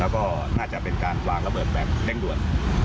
แล้วก็น่าจะเป็นการวางระเบิดแบบเร่งด่วน